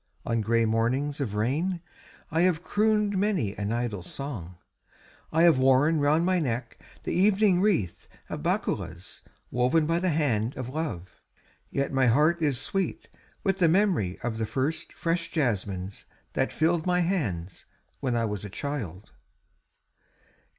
On grey mornings of rain I have crooned many an idle song. I have worn round my neck the evening wreath of bakulas woven by the hand of love. Yet my heart is sweet with the memory of the first fresh jasmines that filled my hands when I was a child.